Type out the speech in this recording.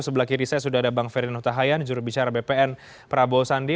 sebelah kiri saya sudah ada bang ferdinand huta hayan jurubicara bpn prabowo sandi